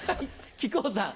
木久扇さん。